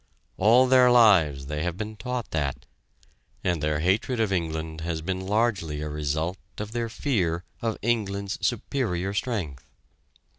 All their lives they have been taught that, and their hatred of England has been largely a result of their fear of England's superior strength.